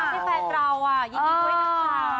เป็นแฟนเราอ่ะยินดีด้วยนะคะ